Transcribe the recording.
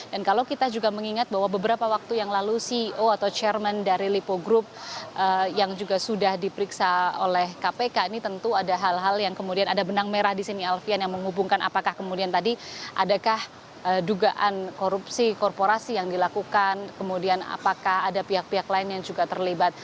dan kalau kita juga mengingat bahwa beberapa waktu yang lalu ceo atau chairman dari lipo group yang juga sudah diperiksa oleh kpk ini tentu ada hal hal yang kemudian ada benang merah disini alfian yang menghubungkan apakah kemudian tadi adakah dugaan korupsi korporasi yang dilakukan kemudian apakah ada pihak pihak lain yang juga terlibat